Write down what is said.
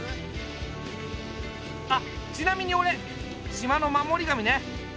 あっちなみに俺島の守り神ね。